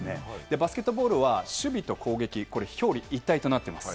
バスケットボールは守備と攻撃、表裏一体となっています。